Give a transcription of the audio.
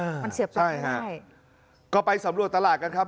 อ่ามันเสียบปลั๊กได้ก่อนไปสำรวจตลาดกันครับ